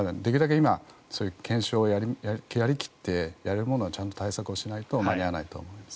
今こういう検証をやり切ってやれるものは対策をしないと間に合わないと思います。